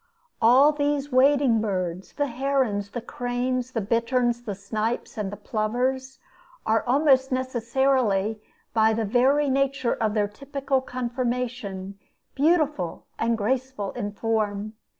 All these wading birds the herons, the cranes, the bitterns, the snipes, and the plovers are almost necessarily, by the very nature of their typical conformation, beautiful and graceful in form.